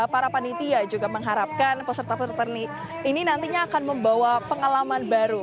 para panitia juga mengharapkan peserta peserta ini nantinya akan membawa pengalaman baru